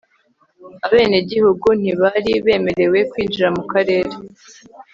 abenegihugu ntibari bemerewe kwinjira mu karere